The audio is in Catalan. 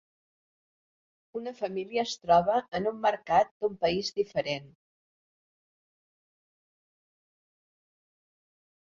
Una família es troba en un mercat d'un país diferent.